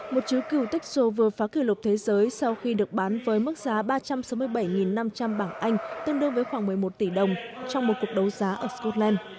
một chữ cuexo vừa phá kỷ lục thế giới sau khi được bán với mức giá ba trăm sáu mươi bảy năm trăm linh bảng anh tương đương với khoảng một mươi một tỷ đồng trong một cuộc đấu giá ở scotland